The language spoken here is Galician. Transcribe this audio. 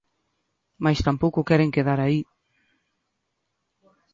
Mais tampouco queren quedar aí.